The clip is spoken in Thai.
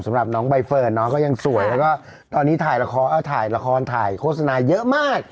สำหรับน้องใบเฟิร์นน้องก็ยังสวยแล้วก็ตอนนี้ถ่ายละครเอาถ่ายละครถ่ายโฆษณาเยอะมาก